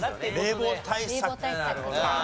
冷房対策か。